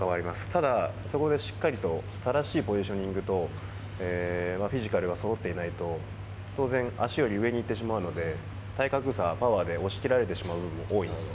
ただ、そこでしっかりと正しいポジショニングと、フィジカルがそろっていないと、当然、足より上に行ってしまうので、体格差、パワーで押し切られてしまう部分も多いんです。